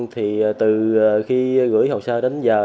thì từ khi gửi hồ sơ đến giờ